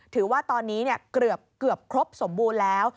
ถือว่าตอนนี้เกือบครบสมบูรณ์แล้ว